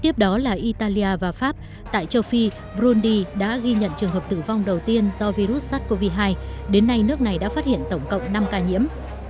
tiếp đó là italia và pháp tại châu phi brundi đã ghi nhận trường hợp tử vong đầu tiên do virus sars cov hai đến nay nước này đã phát hiện tổng cộng năm ca nhiễm